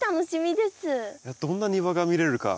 どんな庭が見れるか。